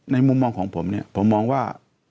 ในมุมมองของผมผมมองว่า